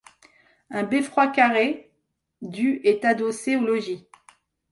Un beffroi carré du est adossé au logis.